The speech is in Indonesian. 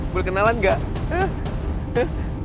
boleh kenalan gak